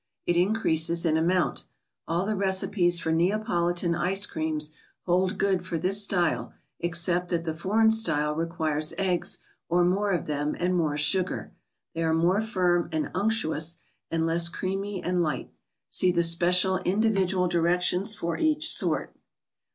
It increases in amount. All the recipes for Neapolitan ice creams hold good for this style, except that the foreign style requires eggs, or more of them, and more sugar. They are more firm and unctuous, and less creamy and light. See the special, individual directions for each sort.